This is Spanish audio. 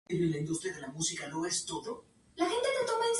En la Facultad de Medicina, compartió pupitre con otras cinco mujeres.